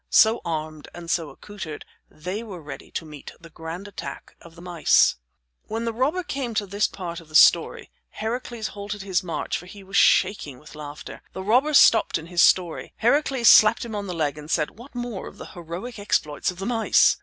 So armed and so accoutered they were ready to meet the grand attack of the mice. When the robber came to this part of the story Heracles halted his march, for he was shaking with laughter. The robber stopped in his story. Heracles slapped him on the leg and said: "What more of the heroic exploits of the mice?"